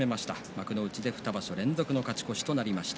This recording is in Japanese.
幕内で２場所連続の勝ち越しとなりました。